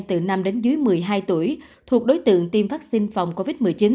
từ năm đến dưới một mươi hai tuổi thuộc đối tượng tiêm vaccine phòng covid một mươi chín